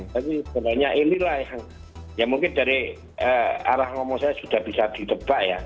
tapi sebenarnya inilah yang ya mungkin dari arah ngomong saya sudah bisa ditebak ya